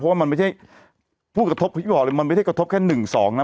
เพราะว่ามันไม่ใช่ผู้กระทบพี่บอกเลยมันไม่ได้กระทบแค่๑๒นะ